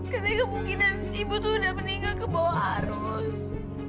karena kemungkinan ibu tuh udah meninggal ke bawah arus